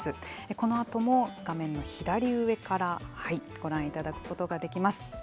このあとも画面の左上からご覧いただくことができます。